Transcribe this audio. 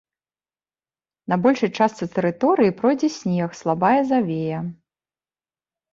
На большай частцы тэрыторыі пройдзе снег, слабая завея.